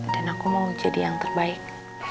aku mau jadi yang terbaik